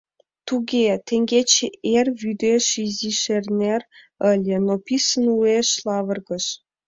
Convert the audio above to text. Туге, теҥгече ер вӱдеш изиш эрнен ыле, но писын уэш лавыргыш.